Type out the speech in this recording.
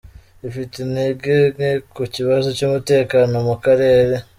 ifite intege nke ku kibazo cy’umutekano mu karere